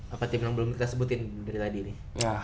apa tim yang belum kita sebutin dari tadi nih